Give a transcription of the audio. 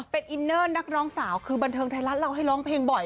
เป็นอินเนอร์นักร้องสาวคือบันเทิงไทยรัฐเราให้ร้องเพลงบ่อย